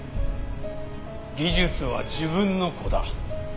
技術は自分の子だ。